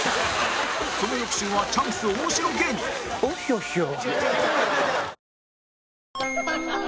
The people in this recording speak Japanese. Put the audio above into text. その翌週はチャンス大城芸人オッヒョッヒョー。